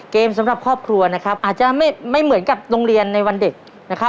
สำหรับครอบครัวนะครับอาจจะไม่เหมือนกับโรงเรียนในวันเด็กนะครับ